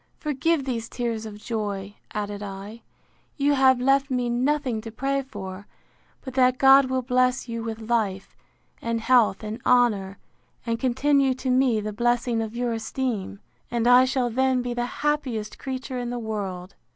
Forgive these tears of joy, added I: You have left me nothing to pray for, but that God will bless you with life, and health, and honour, and continue to me the blessing of your esteem; and I shall then be the happiest creature in the world.